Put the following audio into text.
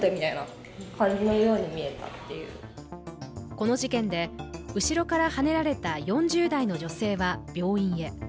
この事件で後ろからはねられた４０代の女性は病院へ。